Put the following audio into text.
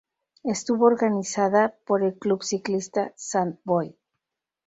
Estuvo organizada por el Club Ciclista Sant Boi.